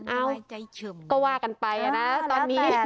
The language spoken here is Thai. ก็ว่ากันไปนะตอนนี้